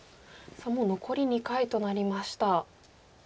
もう残り２回となりました。